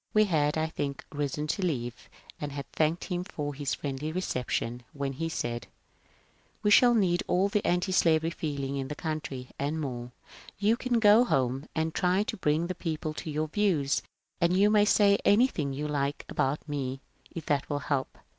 We had, I think, risen to leave and had thanked him for his friendly reception when he said, ^^ We shall need all the anti slavery feeling in the country, and more ; you can go home and try to bring the people to your views ; and you may say any thing you like about me, if that will help.